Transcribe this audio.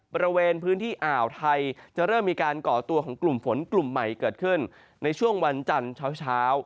บริเวณพื้นที่อ่าวไทยจะเริ่มมีการก่อตัวของกลุ่มฝนกลุ่มใหม่เกิดขึ้นในช่วงวันจันทร์เช้า